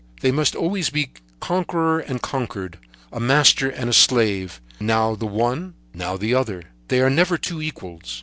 There must always be a conqueror and a conquered, a master and a slave; now the one, now the other—they are never two equals.